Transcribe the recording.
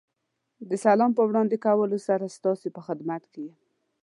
د سلام په وړاندې کولو سره ستاسې په خدمت کې یم.